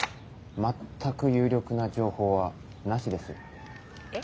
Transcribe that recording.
全く有力な情報はなしです。え？